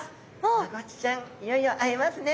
マゴチちゃんいよいよ会えますね。